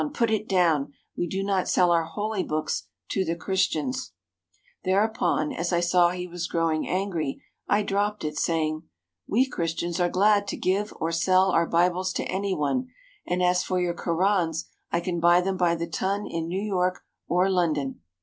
Put it down ! We do not sell our holy books to the Christians/' Thereupon, as I saw he was growing angry, I dropped it, saying: "We Christians are glad to give or sell our Bibles to any one, and as for your Korans, I can buy them by the ton in New York or London."